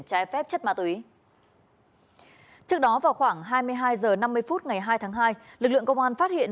trái phép chất ma túy trước đó vào khoảng hai mươi hai h năm mươi phút ngày hai tháng hai lực lượng công an phát hiện